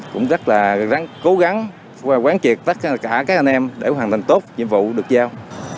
cũng rất là cố gắng quán triệt tất cả các anh em để hoàn thành tốt nhiệm vụ được giao